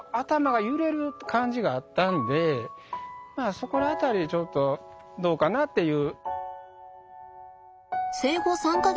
そこら辺りでちょっとどうかなっていう。